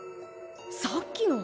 さっきの！